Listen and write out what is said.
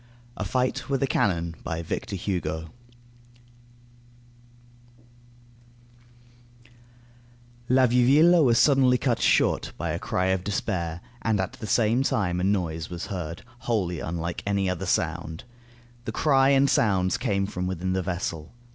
A FIGHT WITH A CANNON BY VICTOR HUGO La vieuville was suddenly cut short by a cry of despair, and a the same time a noise was heard wholly unlike any other sound. The cry and sounds came from within the vessel.